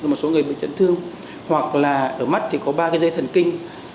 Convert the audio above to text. một số người bị chấn thương hoặc là ở mắt thì có ba cái dây thần kinh